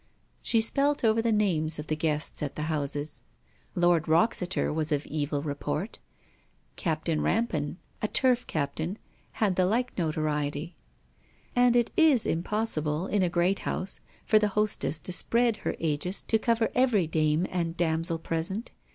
She spelt over the names of the guests at the houses. Lord Wroxeter was of evil report: Captain Rampan, a Turf captain, had the like notoriety. And it is impossible in a great house for the hostess to spread her aegis to cover every dame and damsel present.